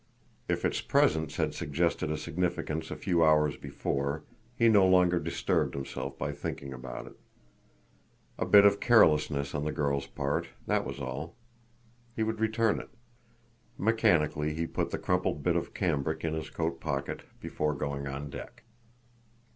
If its presence had suggested a significance a few hours before, he no longer disturbed himself by thinking about it. A bit of carelessness on the girl's part, that was all. He would return it. Mechanically he put the crumpled bit of cambric in his coat pocket before going on deck.